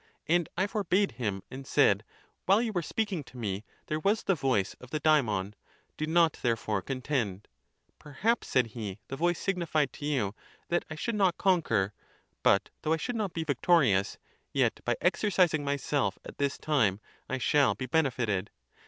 And I forbade him, and said, While you were speaking to me, there was the voice of the demon ; do not, therefore, contend. Perhaps, said he, the voice sig nified to you, that I should not conquer ; but, though I should not be victorious, yet, by exercising myself at this time, I shall be benefited.